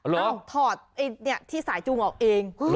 ต้องถอดแถวสายจุงออกเอง